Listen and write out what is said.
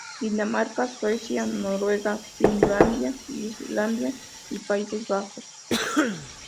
Dinamarca, Suecia, Noruega, Finlandia, Islandia y Países Bajos.